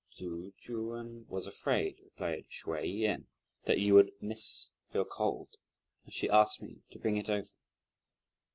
"Tzu Chuan was afraid," replied Hsüeh Yen, "that you would, miss, feel cold, and she asked me to bring it over."